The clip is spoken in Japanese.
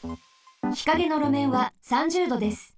日陰のろめんは３０℃です。